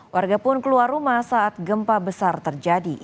warga pun keluar rumah saat gempa besar terjadi